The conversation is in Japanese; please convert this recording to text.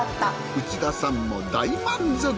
内田さんも大満足。